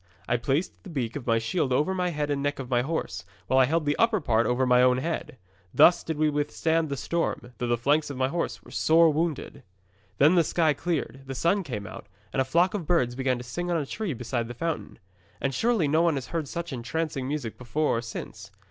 I placed the beak of my shield over the head and neck of my horse, while I held the upper part over my own head. Thus did we withstand the storm, though the flanks of my horse were sore wounded. 'Then the sky cleared, the sun came out, and a flock of birds began to sing on a tree beside the fountain. And surely no one has heard such entrancing music before or since.